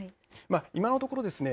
今のところですね